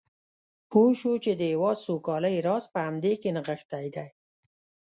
پوه شو چې د هېواد سوکالۍ راز په همدې کې نغښتی دی.